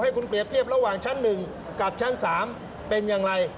ให้คุณเปรียบเทียบระหว่างชั้น๑กับชั้น๓เป็นอย่างไร